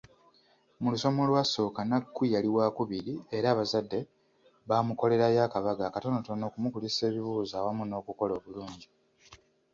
Mu lusoma olwasooka, Nnakku yali wakubiri era abazadde bamukolerayo akabaga akatonotono okumukulisa ebibuuzo awamu n’okukola obulungi.